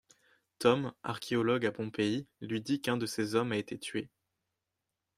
Tom, archéologue à Pompéi, lui dit qu'un de ses hommes a été tué.